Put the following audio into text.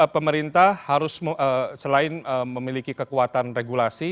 pemerintah harus selain memiliki kekuatan regulasi